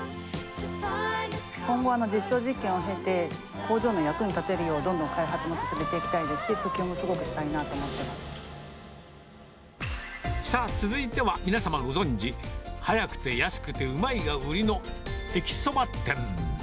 今後は実証実験を経て、工場の役に立てるよう、どんどん開発も進めていきたいですし、普及もすごくしたいなと思さあ、続いては皆様ご存じ早くて安くてうまいが売りの、駅そば店。